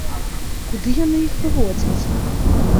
Куды яны іх выводзяць?